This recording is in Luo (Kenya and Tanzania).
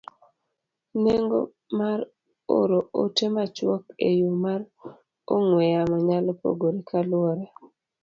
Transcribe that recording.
Nengo mar oro ote machuok e yo mar ong'we yamo nyalo pogore kaluwore